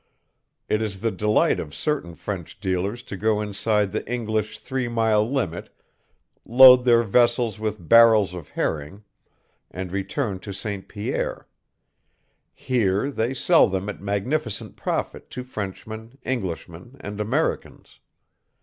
It is the delight of certain French dealers to go inside the English three mile limit, load their vessels with barrels of herring, and return to St. Pierre. Here they sell them at magnificent profit to Frenchmen, Englishmen, and Americans.